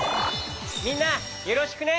みんなよろしくね。